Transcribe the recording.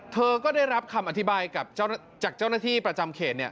เธอก็ได้รับคำอธิบายกับจากเจ้าหน้าที่ประจำเขต